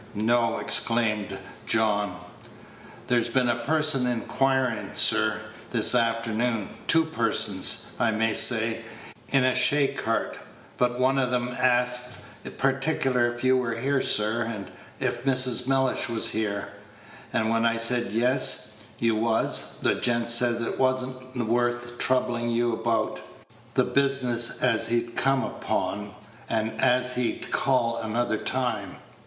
no!" exclaimed John. "There's been a person inquirin', sir, this afternoon two persons, I may say, in a shaycart but one of 'em asked particular if you was here, sir, and if Mrs. Mellish was here; and when I said yes, you was, the gent says it was n't worth troublin' you about, the business as he'd come upon, and as he'd call another time.